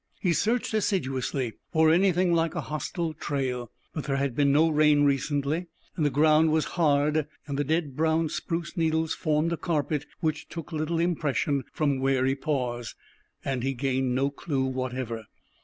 He searched assiduously for anything like a hostile trail; but there had been no rain lately, and the ground was hard, and the dead brown spruce needles formed a carpet which took little impression from wary paws, and he gained no clue whatever.